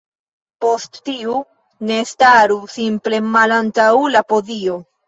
Post tiu, ne staru simple malantaŭ la podio